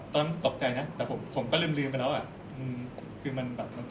ตอนนั้นตกใจเมื่อผมก็ลืมออกไปแล้ว